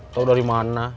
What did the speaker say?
tahu dari mana